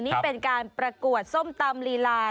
นี่เป็นการประกวดส้มตำลีลา